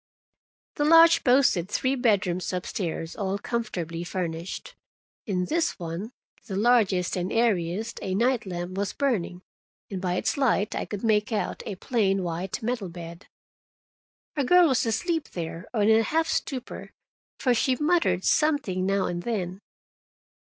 The lodge boasted three bedrooms up stairs, all comfortably furnished. In this one, the largest and airiest, a night lamp was burning, and by its light I could make out a plain white metal bed. A girl was asleep there—or in a half stupor, for she muttered something now and then.